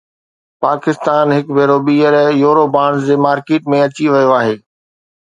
پاڪستان هڪ ڀيرو ٻيهر يورو بانڊز جي مارڪيٽ ۾ اچي ويو آهي